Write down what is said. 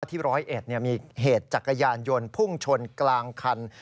ที่๑๐๑มีเหตุจักรยานยนต์พุ่งชนกลางคัน